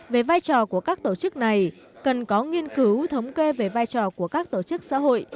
về vai trò của các tổ chức này cần có nghiên cứu thống kê về vai trò của các tổ chức xã hội